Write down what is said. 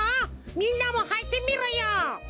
みんなもはいてみろよ！